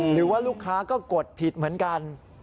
หรือว่าลูกค้าก็กดผิดเหมือนกัน